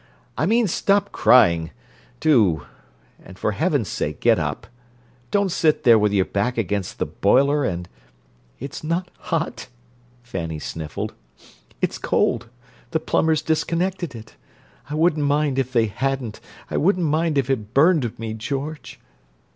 I mean stop crying! Do! And for heaven's sake, get up. Don't sit there with your back against the boiler and—" "It's not hot," Fanny sniffled. "It's cold; the plumbers disconnected it. I wouldn't mind if they hadn't. I wouldn't mind if it burned me, George."